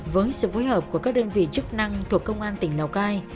với sự phối hợp của các đơn vị chức năng thuộc công an tỉnh lào cai